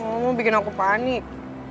ga mau bikin aku panik